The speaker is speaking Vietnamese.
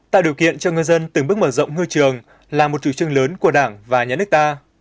tạo điều kiện cho ngư dân từng bước mở rộng ngư trường là một chủ trương lớn của đảng và nhà nước ta